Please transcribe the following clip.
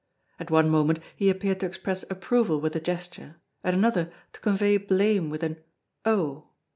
At one moment he appeared to express approval with a gesture, at another to convey blame with an "Oh!"